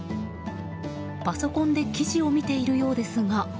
パソコンで記事を見ているようですが。